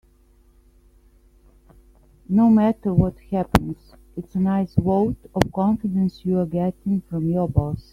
No matter what happens, it's a nice vote of confidence you're getting from your boss.